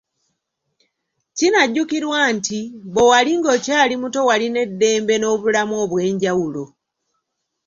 Kinajjukirwa nti ,bwe wali ng'okyali muto walina eddembe n'obulamu obwenjawulo.